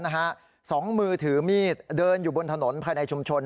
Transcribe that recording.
สองมือถือมีดเดินอยู่บนถนนภายในชุมชน